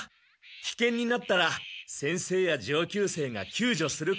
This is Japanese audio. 危険になったら先生や上級生が救助することになっているのだ。